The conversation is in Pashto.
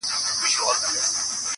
ما ته سپي ؤ په ژوندینه وصیت کړی,